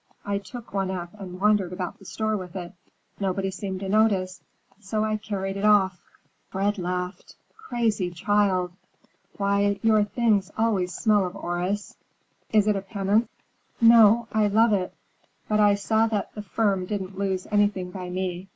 I took one up and wandered about the store with it. Nobody seemed to notice, so I carried it off." Fred laughed. "Crazy child! Why, your things always smell of orris; is it a penance?" "No, I love it. But I saw that the firm didn't lose anything by me.